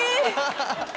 ハハハハ！